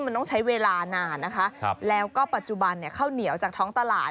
มันต้องใช้เวลานานนะคะแล้วก็ปัจจุบันเนี่ยข้าวเหนียวจากท้องตลาด